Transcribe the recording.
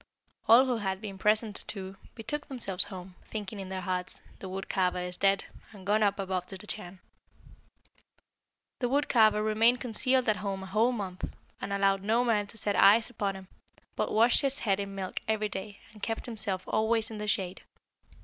All who had been present, too, betook themselves home, thinking in their hearts, 'The wood carver is dead, and gone up above to the Chan.' "The wood carver remained concealed at home a whole month, and allowed no man to set eyes upon him, but washed his head in milk every day, and kept himself always in the shade.